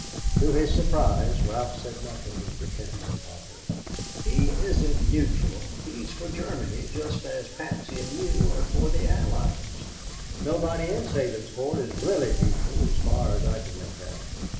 To his surprise, Ralph said nothing in defense of Otto. "He isn't neutral. He is for Germany, just as Patsy and you are for the Allies. Nobody in Sabinsport is really neutral as far as I can make out.